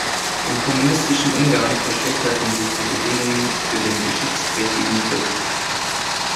Im kommunistischen Ungarn verschlechterten sich die Bedingungen für den geschichtsträchtigen Klub.